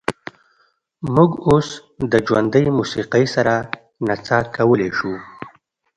موږ اوس د ژوندۍ موسیقۍ سره نڅا کولی شو